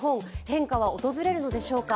変化は訪れるのでしょうか。